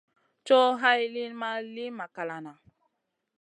Coh hay lìyn ma li makalana.